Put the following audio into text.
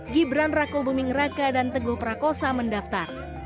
gibran raka buming raka dan teguh prakosa mendaftar